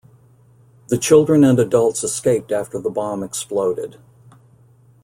The children and adults escaped after the bomb exploded.